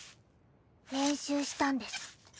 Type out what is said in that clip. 練習したんです。